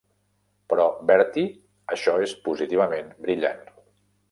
Però, Bertie, això és positivament brillant.